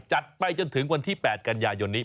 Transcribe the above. จัดไปจนถึงวันที่๘กันยายนนี้